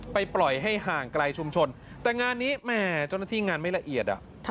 ปล่อยให้ห่างไกลชุมชนแต่งานนี้แหมเจ้าหน้าที่งานไม่ละเอียด